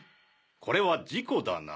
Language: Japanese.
これは事故だな。